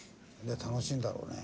楽しいんだろうね。